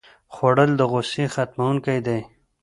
خوړل د غوسې ختموونکی دی